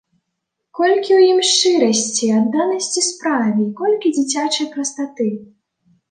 Колькі ў ім шчырасці, адданасці справе і колькі дзіцячай прастаты!